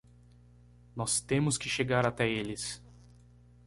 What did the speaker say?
Nós temos que chegar até eles!